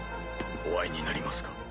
お会いになりますか？